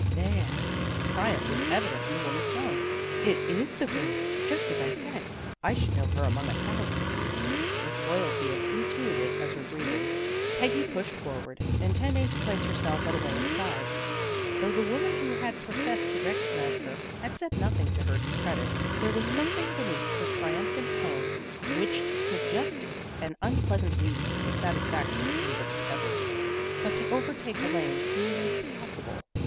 " There! " Triumph was evident in the woman's tone. " It is the girl, just as I said. I should know her among a thousand." With loyalty as intuitive as her breathing Peggy pushed forward, intending to place her self at Elaine's side. Though the woman who had professed to recognize her had said nothing to her discredit there was something beneath her triumphant tone which suggested an un pleasant reason for satisfaction in the discovery. But to overtake Elaine seemed impossible.